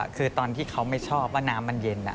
คือตอนที่เขาไม่ชอบว่าน้ำมันเย็น